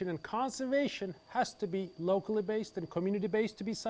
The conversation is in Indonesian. dan konservasi harus berbasis masyarakat dan berbasis komunitas untuk berjaya